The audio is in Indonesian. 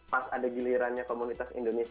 pas ada gilirannya komunitas indonesia